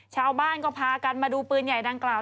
ชาวบ้านก็พากันมาดูปืนใหญ่ดังกล่าว